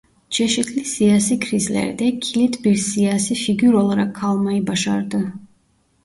Çeşitli siyasi krizlerde kilit bir siyasi figür olarak kalmayı başardı.